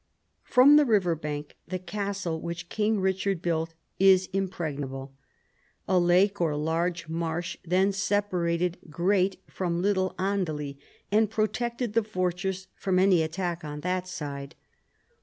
From the river bank the castle which King Kichard built is impregnable. A lake or large marsh then separated Great from Little Andely, and protected the fortress from any attack on that side.